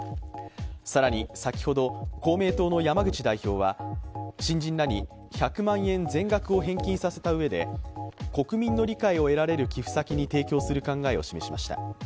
更に先ほど、公明党の山口代表は新人らに１００万円全額を返金させたうえで国民の理解を得られる寄付先に提供する考えを示しました。